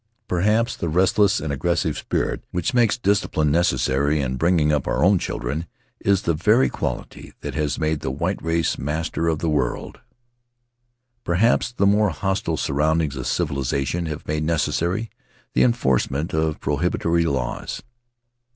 Perhaps the restless and aggressive spirit which makes discipline necessary in bringing up our own children is the very quality that has made the white race master of the world; .. Faery Lands of the South Seas perhaps the more hostile surroundings of civilization have made necessary the enforcement of prohibitory laws.